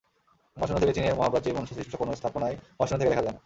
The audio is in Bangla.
মহাশূন্য থেকে চীনের মহাপ্রাচীরমনুষ্যসৃষ্ট কোনো স্থাপনাই মহাশূন্য থেকে দেখা যায় না।